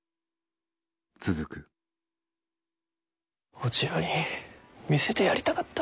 お千代に見せてやりたかった。